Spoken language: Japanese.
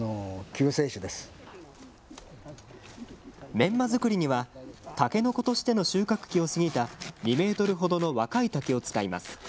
メンマ作りにはタケノコとしての収穫期を過ぎた２メートルほどの若い竹を使います。